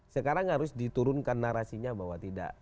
sekarang harus diturunkan narasinya bahwa tidak